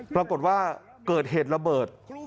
ปรากฏว่าเกิดเหตุระเบิด